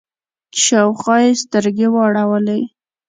شاوخوا يې سترګې واړولې.